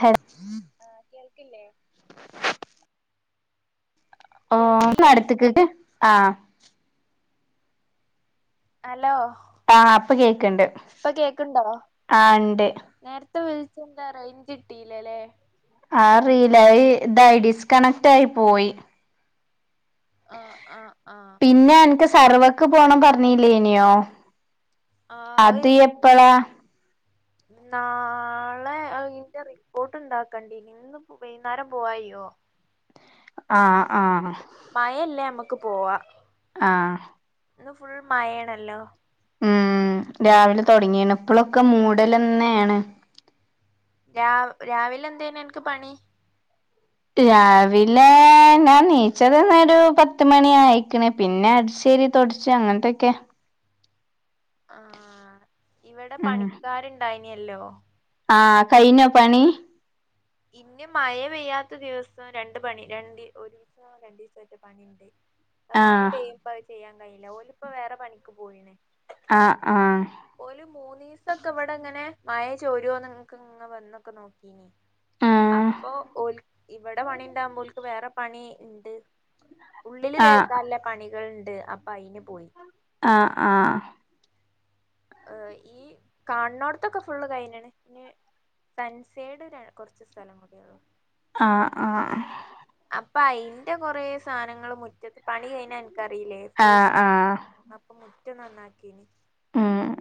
Hello ആഹ് കേൾക്കില്ലേ ഓ കേൾക്കില്ലേ അടുത്ത്ക്ക് ആഹ് ഹലോ ആഹ് ഇപ്പൊ കേൾക്കണ്ട് ഇപ്പൊ കേക്കുണ്ടോ, നേരത്തെ വിളിച്ച എന്താ റേഞ്ച് കിട്ടില്ലല്ലേ അറില്ല. ഇതായി ഡിസ്‌ക്കണക്ട് ആയി പോയി ആഹ് ആഹ് ആഹ് പിന്നെ അൻക്ക് സെർവക്ക് പോണം പറഞ്ഞില്ലേനോ ആഹ് അത് എപ്പളാ നാളെ അയ്ന്റെ റിപ്പോർട്ട് ഉണ്ടാക്കണ്ടിനി. ഇന്ന് ഇപ്പൊ വൈകുന്നേരം പോവാൻ കഴിയോ ആഹ് ആഹ് മഴല്ലേ നമ്മുക്ക് പോവാ ആഹ് ഇന്ന് ഫുൾ മഴണല്ലോ ഉം രാവിലെ തുടങ്ങിണ്. ഇപ്പോഴൊക്കെ മൂടൽ തന്നെയാണ് രാവിലെ എന്തേനു അനക്ക് പണി രാവിലെ ഞാൻ നീച്ചത് ന്നെ ഒരു പത്തു മണി ആയ്ക്കണ് പിന്നെ അടിച്ചു വാരി തൊടച്ചു അങ്ങനത്തൊക്കെ ആഹ് ഇവിടെ ഉം പണിക്കാരുണ്ടായിനല്ലോ ആഹ് കയിഞ്ഞോ പണി ഇനി മഴ പെയ്യാത്ത ദിവസം രണ്ട് പണി രണ്ട് ഒരു ദിവസം രണ്ട ദിവസം ആയിട്ട് പണിയ മഴ ആഹ് പെയ്യുമ്പ അത് ചെയ്യാൻ കഴിയില്ലഓലിപ്പ വേറെ പണിക്ക് പോയിണ് ആഹ് ആഹ് ഓൽ മൂന്നിസം ഇവിടെങ്ങനെ മഴ ചോരോന്നോ ക്കങ്ങനെ വന്നൊക്കെ നോക്കീനി ആഹ് അപ്പൊ ഓൽ ഇവിടെ പണി ഉണ്ടാവുമ്പോൽക്ക് വേറെ പണി ഉണ്ട് ഉള്ളില് ആഹ് തോക്കാള്ള പണികൾ ഉണ്ട്. അപ്പൊ അയിന് പോയി ആഹ് ആഹ് ഈ കാണണോടത്തൊക്കെ ഫുള്ള് കൈഞ്ഞണ്. ഇഞ് സൻസേഡ് കുറച്ച് സ്ഥല കൂടിഉള്ളൂ ആഹ് ആഹ് ആഹ് അപ്പൊ അയിന്റെ കൊറെ സാധനങ്ങൾ മുറ്റത്ത്. പണി കഴിഞ്ഞാൽ അൻക്കറില്ലേ ആഹ് ഫുൾ ആഹ് ആഹ് അപ്പൊ മുറ്റം നന്നാക്കീന് ഉം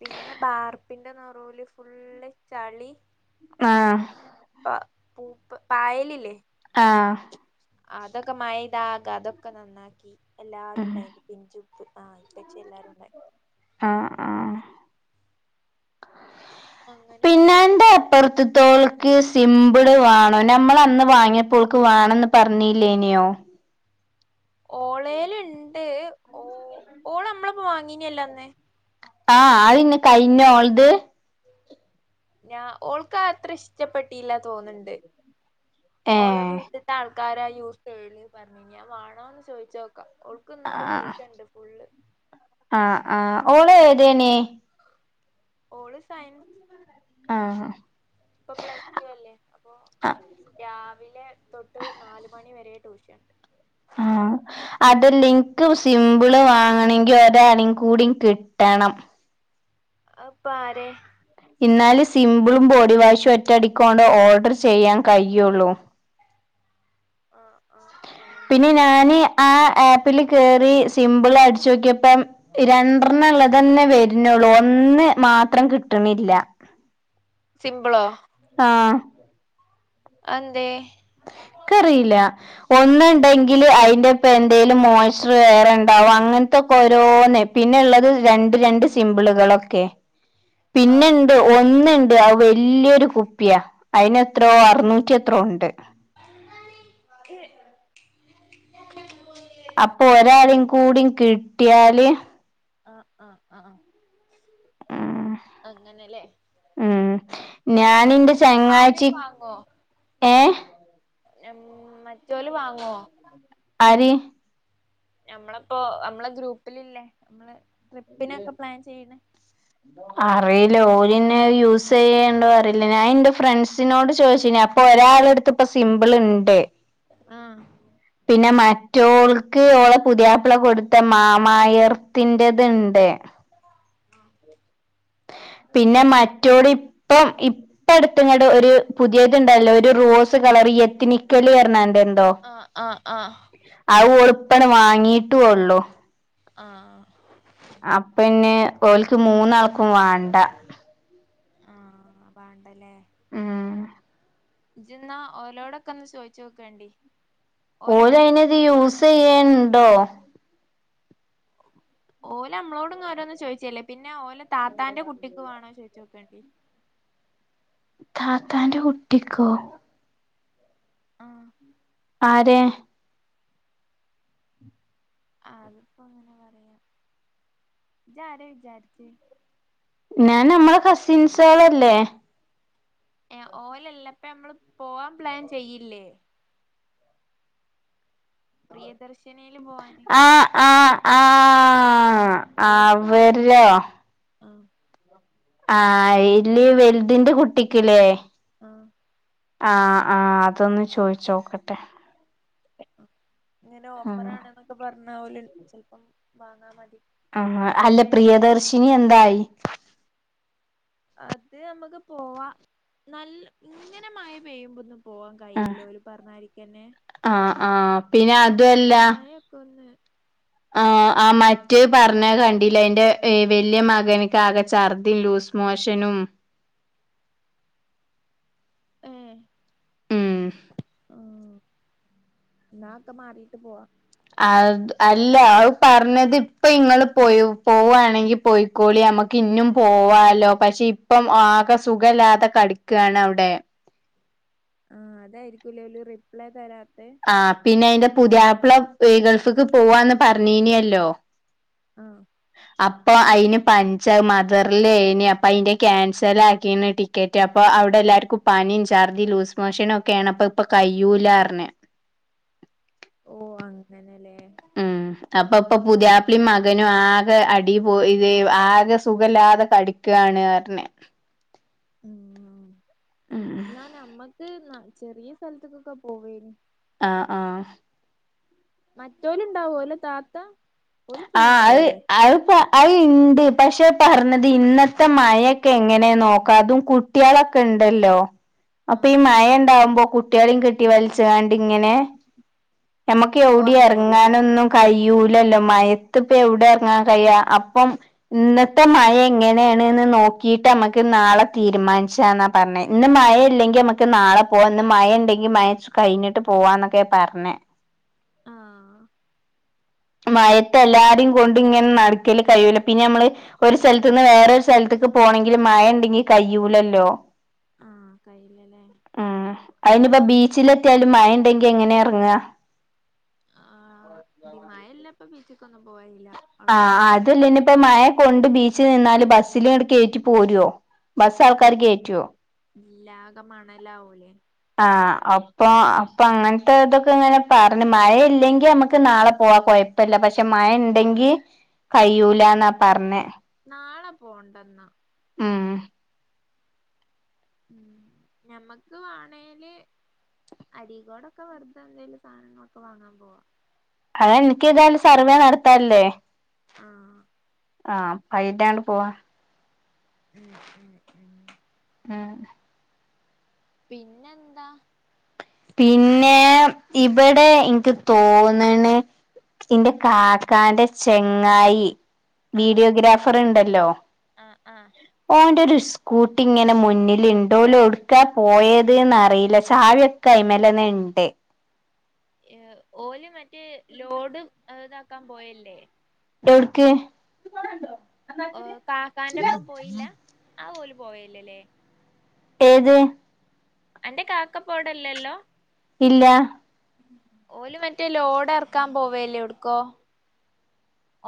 പിന്നെ ബാർപ്പിന്റെ നൊറൂല് ഫുള്ള് ചളി ആഹ് മറ്റ പ പൂപ്പ് പായലില്ലേ ആഹ് അതൊക്കെ മഴ പയ്താകെ അതൊക്കെ നന്നാക്കി എല്ലാരും ഉം ഉണ്ടായി പിഞ്ചുപ്പ് ആ ഉപ്പച്ചി എല്ലാരും ഉണ്ടായി ആഹ് ആഹ് അങ്ങനെ കൊറെ പറത്തോൾക്ക് സിമ്പിള് വേണം. നമ്മൾ അന്ന് വാങ്ങിയപ്പോൾക്ക് വേണംന്ന് പറഞ്ഞില്ലേനെയോ ഓളൽ ഉണ്ട് ഓ ഓളമ്മളപ്പോ വാങ്ങീനല്ലോ അന്ന് ആഹ് അയ്ഞ് കൈഞ്ഞോ ഓൾത് ഞാൻ ഓൾക്ക് അത്ര ഇഷ്ടപ്പെട്ടില്ല തോന്ന്ണ്ട് ഓളെ ഏഹ് വീട്ടിത്ത ആൾ ക്കാര യൂസ് ചെയ പറഞ്ഞിനി ഞാൻ വേണോന്ന് ചോദിച്ചോക്കാം അവൾക്ക് ഇന്നൊക്കെ ആഹ് ട്യൂഷൻ ഇണ്ട് ഫുള്ള് ആഹ് ആഹ് ഓള് ഏതേനി ഓള് സയൻസ് ആഹ് ഇപ്പൊ പ്ലസ് ടു അല്ലേ അപ്പോ ആഹ് രാവിലെ തൊട്ട് നാല് മണി വരെ ട്യൂഷൻ ആഹ് അതല്ലേ ഇൻക്ക് സിമ്പിൾ വാങ്ങണങ്കിൽ ഒരാളീം കൂടി കിട്ടണം അത്‌പ്പോ ആരെ ഇന്നാല് സിംമ്പിളും ബോഡി വാഷും ഒറ്റ അടിക്കണ്ട് ഓർഡർ ചെയ്യാൻ കഴിയുള്ളൂ ആഹ് ആഹ് ആഹ് പിന്നെ ഞാന് ആഹ് ആപ്പില് കേറി സിമ്പിൾ അടച്ച് നോക്കിയപ്പം രണ്ടർനള്ളത് തന്നെ വരുനൊള്ളൂ ഒന്ന് മാത്രം കിട്ട്ണില്ല സിംമ്പിളോ ആഹ് അതെന്തേ? ക്കറില്ല ഒന്നുണ്ടെങ്കിൽ അതിന്റെപ്പ എന്തേലും മോസ്റ്റർ വേറെ ഇണ്ടാവും അങ്ങൻ ത്തൊക്കെ ഓരോന്ന് പിന്നെള്ളത് രണ്ട് രണ്ട് സിംമ്പിളുകളൊക്കെ ആഹ് ഒന്ന്ണ്ട് അത് വല്യൊരു കുപ്പിയാ അയിന് എത്രോ അറ്നൂറ്റി എത്രോ ഇണ്ട് അപ്പൊ ഒരാളി കൂടി കിട്ടിയാല് ആഹ് ആഹ് ആഹ് ഉം അങ്ങനെല്ലേ ഉം ഞാനിന്റെ വേറെങ്ങ ഫാന് വാങ്ങോ ഏഹ് നം മറ്റോല് വാങ്ങോ ആര് നമ്മളിപ്പോ നമ്മളെ ഗ്രൂപ്പില്ല്ലേ നമ്മള് ട്രിപ്പിനൊക്കെ പ്ലാൻ ചെയ്യ് അറിയില്ല ഓല്ന്നെ യൂസ് ചെയ്യ്ണ്ടോ അറിയില്ല ഞാൻ എൻ്റെ ഫ്രണ്ട്സ്നോട് ചോദിച്ചിനി പ്പൊ ഒരാള അട്ത്ത് ഇപ്പ സിംമ്പിൾ ഇണ്ട് ആഹ് പിന്നെ മറ്റോൾക്ക് ഓളെ പുതിയാപ്പിള കൊടുത്ത മാമായർ ത്തിൻ്റേത്ണ്ട് ആഹ് പിന്നെ മറ്റോര് ഇപ്പം ഇപ്പം പ്പ ങ്ങട് ഒര് പുതിയത്ണ്ടല്ലോ ഒരു റോസ് കളർ എത്തിനിക്കലി കയണണ്ടണ്ട് ആഹ് ആഹ് ആഹ് അത് ഓള് ഇപ്പങ്ങട്ട് വാങ്ങിട്ടുള്ളു ആഹ് അപ്പന്നെ ഓൽക്ക് മൂന്നാൾക്കും വേണ്ട ആഹ് വാണ്ടല്ലേ ആഹ് ജിന്നാ ഓലോടൊക്കെന്ന് ചോദിച്ചു നോക്കേണ്ടി ഓലയ്നിത് ചോയിച്ചോ യൂസെയ്യെണ്ടോ? ഉ ഓല നമ്മളോട്ന്നന്ന് ചോദിച്ചല്ലേ പിന്നെ ഓലെ താത്താന്റെ കുട്ടിക്ക് വേണോ ചോയിച്ച് നോക്കേണ്ടി താത്താന്റെ കുട്ടിക്കോ? ആഹ് ആരെ? ആഹ് അതിപ്പോ അങ്ങനെ പറയാ ജ് ആരെ വിചാരിച്ചെ നാനമ്മളെ കസിൻസേളല്ലേ ഏഹ് ഓലല്ല ഇപ്പ ഞമ്മള് പോവാൻ പ്ലാൻ ചെയ്യില്ലേ പ്രിയദർശിനിയില് പോവാന് ആഹ് ആഹ് ആഹ് ഓൽക്ക് വാണച്ച് അവരോ ആഹ് ആഹ് അയില് വലുതിന്റെ കുട്ടിക്ക്ല്ലേ ആഹ് ആഹ് ആഹ് അതൊന്ന് ചോയിച്ച് നോക്കട്ടെ ഇങ്ങനെ ഓഫർ ആഹ് ആണെന്നൊക്കെ പറഞ്ഞാവൂല ചിലപ്പം വാങ്ങാ മതി ആഹ് അല്ല പ്രിയദർശിനി എന്തായി അത് അമ്മക്ക് പോവാ നല്ല ഇങ്ങനെ മയ പെയ്യു ബൊന്നും ഉം ആഹ് ആഹ്പിന്നെ അതുല്ല പ്പൊഒന്ന് ആഹ് ആഹ് മറ്റേ ആഹ് പർണകണ്ടിലേ അയിന്റെ ഏഹ് വെല്യ മകൻക്ക് ആകെ ഛർദിംലൂസ് മോഷനും ഏഹ് ഉം ആഹ് ന്നാ ഒക്കെ മാറീട്ട് പോവാ അത് അല്ല അത് പർണത് ഇപ്പ ഇങ്ങള് പോയോ പോവാണെങ്കി പോയി ക്കോളി അമ്മക്ക് ഇഞ്ഞും പോവാല്ലോ പഷേ ഇപ്പം ആകെ സുഖല്ലാതെ കടിക്കാണ് അവ്ടെ ആഹ് അതായിരിക്കുലേ ഓല് റിപ്ലൈ തെരാത്തത് ആഹ് പിന്നെ അയിന്റെ പുതിയാപ്പ്ള ഈ ഗൾഫിക്ക് പോവാന്ന് പറഞ്ഞീനിയല്ലോ അ. അപ്പോ അയിന് പൻച് അഹ് മദറിലേന് അപ്പൊ അയിന്റെ ക്യാൻസൽ ആക്കിന്ന് ടി കേറ്റ് അപ്പൊ അവ്ടെ എല്ലാർക്കും പനിം ഛർദി ലൂസ് മോഷനുക്കേണ് അപ്പ ഇപ്പൊ കയ്യൂലാർണ് ഓ. അങ്ങനെ ലേ. ഉം അപ്പൊ പ്പൊ പുതിയാപ്പ്ളീം മകനു ആകെ അടി പോ ഇത് ആകെ സുഖല്ലാതെകടി ക് ആണ്അർന് ഉം ഉം ന്നാ നമ്മക്ക് ന്ന ചെറിയ സ്ഥലത്ത്ക്കൊക്കെ പോവേന് ആഹ ആഹ. മറ്റോല്ണ്ടാവോ ഓലെ താത്ത ഓല് ഫുള്ള് ആഹ് ഇണ്ടാവൂലേ അത് അത്പൊ അഹ്ണ്ട് പഷേ പർണത് ഇന്നത്തെ മയെക്കെ എങ്ങനെ നോക്കാതും കു ട്ടിയോളൊക്കെണ്ടല്ലോ അപ്പൊ ഈ ആഹ് മയണ്ടാവുമ്പോ കുട്ടിയേളീം കെട്ടി വൽച്ച് ങ്ങാണ്ടിങ്ങനെ നമ്മക്ക് പോവാൻ എവ്ടിം കഴിയില്ലല്ലേ എറങ്ങാനൊന്നും കയ്യൂലല്ലോ മയത്ത്പ്പൊ എവിടെ എർങ്ങാൻ കഴിയാ അപ്പം ഇന്നത്തെ മയഎങ്ങനേണ്ന്ന് നോക്കീട്ട് അമ്മക്ക് നാളെ തീരുമാന്ച്ചാന്നാ പർണത് ഇന്ന് മയ ഇല്ലെങ്കിൽ നമക്ക് നാളെ പോവാ ഇന്ന് മയണ്ടെങ്കിൽ മയ കയിഞ്ഞിട്ട് പോവാന്നൊക്കെ പർണ് ആഹ് മയത്ത് എല്ലാരിം കൊണ്ടി ങ്ങനെ നടക്കല് കയൂല. പിന്നെ അമ്മള്. ഒരു സൽത്ത്ന്ന് വേറൊരു സൽത്ത്ക്ക് പോണെങ്കില് മയണ്ടെങ്കി കയ്യൂലല്ലോ ആഹ. കയ്യില്ലല്ലേ? ആഹ് അയിഞ്ഞ്പ്പൊ ബീച്ചിലെ ത്തിയാലും മയണ്ടെങ്കി എങ്ങനെ എറങ്ങാ ആഹ് ബി മയള്ളപ്പൊ ബീച്ച്കൊ ന്നും പോവയില്ല ആഹ് അതല്ലിനിപ്പോ മയ കൊണ്ട് ബീച്ചിൽ നിന്നാല് ബസ്സില്ണ്ണ്ട്‌കേറ്റി പോരൊ ബസ്സ് ആൾക്കാര് കേറ്റോ ല്ലാകേമണലാവുലേ ആഹ്അപ്പൊ അപ്പങ്ങൻത്തെ തൊക്കെങ്ങനെ പറഞ്ഞ് മയ ഇല്ലെങ്കി അമ്മക്ക് നാളെ പോവാ കൊയപ് പ്പല്ല. പഷെ മഴണ്ടെങ്കി കഴിയൂല ന്നാ പർഞ്ഞെ. നാളെ പോണ്ടന്നാ ഉം ഞമ്മക്ക് വേണേല് അടീക്കൂടൊക്കെ വെറ്തെന്തേലും സാനങ്ങളൊക്കെ വാങ്ങാൻ പോവാ അതെനിക്കേതായാലും സർവേ നടത്താല്ലേ. ആഹ് ആഹ് പൈറ്റാണ്ട് പോവാ ഉം ഉം ഉം ഉം പിന്നെന്താ? പിന്നെ ഇബടെ എനക്ക് തോന്നണ് എന്റെ കാക്കാന്റെ ചങ്ങായി ആഹ് വീഡിയോഗ്രാഫർ ഉണ്ടല്ലോ ആഹ് ആഹ് ഓന്റൊരുസ് കൂട്ടി ഇങ്ങനെ മുന്നിൽ ഉണ്ട് ഓൽ എവുടുക്കാ പോയത് എന്നറിയില്ല ചാവിയൊക്ക് കൈമേലന്ന് ഉണ്ട് ഏഹ് ഓല് മറ്റേ ലോഡ് ഏ ഇതാക്കാൻ പോയല്ലേ എവ്ട്ക്ക്? ഓഹ് കാക്കാന്റെപ്പം പോയില്ല ആ ഓല് പോയില്ലല്ലേ ഏത് അന്റെ കാക്കപ്പോവിടിലല്ലോ ഇല്ല ഓല് മറ്റേ ലോഡെറക്കാൻ പോവല്ലേ എവട്ക്കോ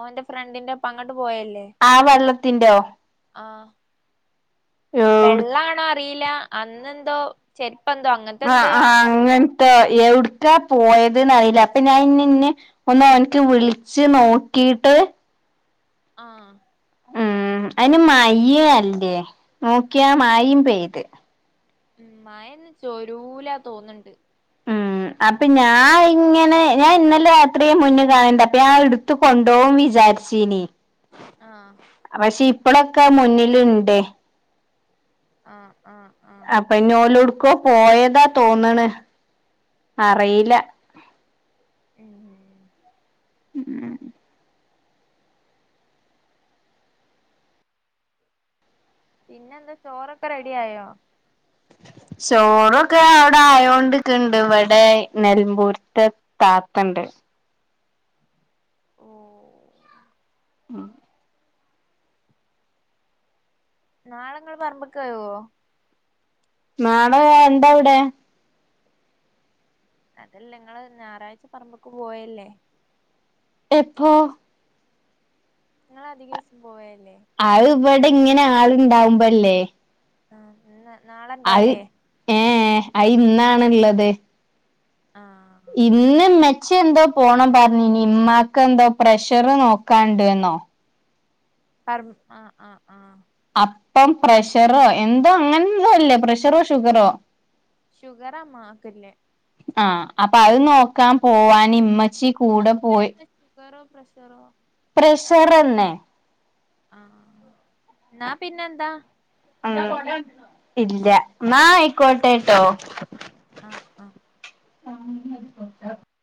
ഓന്റെ ഫ്രണ്ടിന്റൊപ്പം അങ്ങോട്ട് പോയില്ലേ ആ വെള്ളത്തിന്റോ ആഹ് എവ്ട് വെള്ളാണോ അത റീല അന്നെന്തോ ചെരുപ്പെന്തോ അങ്ങനത്തെന്തോ ആണോ അറീല്ല എവിടുക്കാ പോയത്‌ന്നറിയില്ല അപ്പൊ ഞാൻ ഇന്ന്ന്. ഒന്ന് അവൻക്ക് വിളിച്ച് നോക്കീട്ട് ആഹ് ഉംഹ് അയ്ന് മയയല്ലേ നോക്കിയാ മയേം പെയ്ത് മയയിന്ന് തോരൂലാ തോന്ന്ണ്ട് ഉം അപ്പൊ ഞാ ഇങ്ങനെ ഞാൻ ഇന്നലെ രാത്രിയെ മുന്ന് കാണ്‌ണ്ട് അപ്പൊ ഞാൻ എടുത്തു. കൊണ്ടോവുംന്ന് വിചാരിച്ചീനി. ആഹ് പക്ഷെ ഇപ്പളൊക്കെ മുന്നിൽ ഉണ്ട് ആഹ് ആഹ് ആഹ് അപ്പൊ ഇനി ഓലെവിടേക്കോ പോയതാ തോന്ന്ണ് അറീല്ല. ഉംഹ് ഉംഹ് ഉംഹ് പിന്നെന്താ ചോറൊക്കെ റെഡി ആയോ ചോറൊക്കെ അവടെ ആയോണ്ട് ക്ക്ണ്ട് ഇവിടെ നെലമ്പൂരത്തെ താത്തണ്ട്. ഓഹ് ആഹ് നാളെ ഇങ്ങള് പറമ്പ്ക്ക് വരുവോ നാളെ എന്താവിടെ അതല്ല ഇങ്ങള് ഞായറാഴ്ച പറമ്പ്ക്ക് പോയല്ലേ. എപ്പോ നിങ്ങള് അധികീസും പോയല്ലേ അത് ഇവിടെ ഇങ്ങനെ ആളുണ്ടാവുമ്പോല്ലേ. ആഹ് ഇന്ന് നാളെ ഉണ്ടാവൂലേ ഏഹ് അയിന്നാണുള്ളത് ആഹ് ഇന്ന് ഇമ്മച്ചിയെന്തോ പോണം പറഞ്ഞീനി ഉമ്മാക്ക് എന്തോ പ്രഷർ നോക്കാണ്ട്ന്നോ. അറു മ് ആഹ് ആഹ് ആഹ് അപ്പം പ്രഷറോ എന്തോ അങ്ങനെന്തോ അല്ലേ പ്രഷറോ ഷുഗറോ? ഷുഗറാമ്മാക്കില്ലേ. ആഹ്. അപ്പൊ അത് നോക്കാം പോവാന് ഇമ്മച്ചി കൂട [unintelligible] ഷുഗറോ പ്രഷറോ? പ്രഷർന്നെ. ആ ന്നാ പിന്നെ എന്താ? ഉം ഇല്ല. എന്നാ ആയിക്കോട്ടെട്ടോ. ആഹ് ആ. [unintelligible]